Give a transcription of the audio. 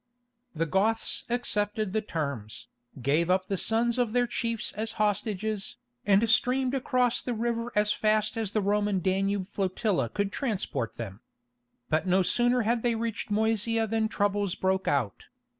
The Goths accepted the terms, gave up the sons of their chiefs as hostages, and streamed across the river as fast as the Roman Danube flotilla could transport them. But no sooner had they reached Moesia than troubles broke out.